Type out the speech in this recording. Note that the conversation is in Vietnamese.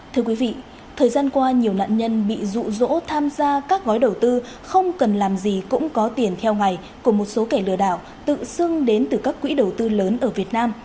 thưa quý vị thời gian qua nhiều nạn nhân bị rụ rỗ tham gia các gói đầu tư không cần làm gì cũng có tiền theo ngày của một số kẻ lừa đảo tự xưng đến từ các quỹ đầu tư lớn ở việt nam